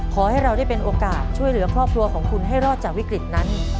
ขอให้เราได้เป็นโอกาสช่วยเหลือครอบครัวของคุณให้รอดจากวิกฤตนั้น